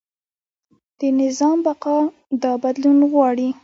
د نظام بقا دا بدلون غواړي.